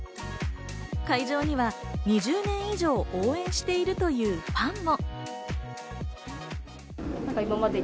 会場には２０年以上応援してるというファンも。